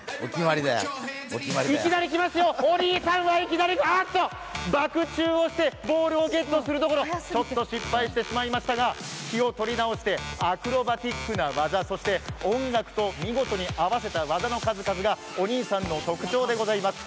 いきなり来ますよ、お兄さんはいきなり！あっと、バク宙をしてボールをゲットするところ、ちょっと失敗してしまいましたが気を取り直してアクロバチックな技、そして音楽と見事に合わせた技の数々がお兄さんの特徴でございます。